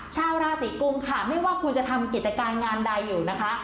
ชาวราศีกุมค่ะไม่ว่าคุณจะทำกิจการงานใดอยู่นะคะ